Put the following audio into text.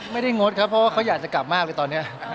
งดครับเพราะว่าเขาอยากจะกลับมากเลยตอนนี้